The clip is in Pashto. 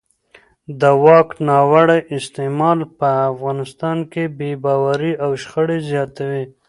د واک ناوړه استعمال په افغانستان کې بې باورۍ او شخړې زیاتوي